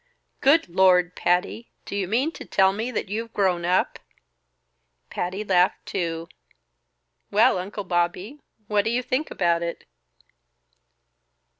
"Good Lord, Patty! Do you mean to tell me that you've grown up?" Patty laughed too. "Well, Uncle Bobby, what do you think about it?"